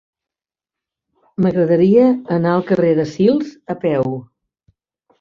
M'agradaria anar al carrer de Sils a peu.